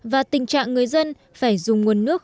và tình trạng người dân phải dùng nguồn nước